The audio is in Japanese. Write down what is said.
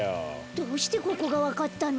どうしてここがわかったの？